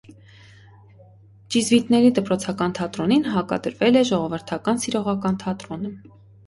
Ճիզվիտների դպրոցական թատրոնին հակադրվել է ժողովրդական սիրողական թատրոնը։